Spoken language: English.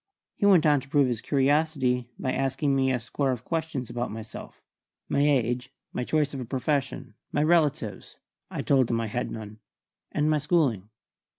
He went on to prove his curiosity by asking me a score of questions about myself: my age, my choice of a profession, my relatives (I told him I had none), and my schooling.